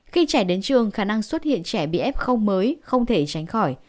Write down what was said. khi trẻ đến trường khả năng xuất hiện trẻ bị f mới không thể tránh khỏi